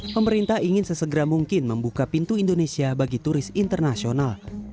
pemerintah ingin sesegera mungkin membuka pintu indonesia bagi turis internasional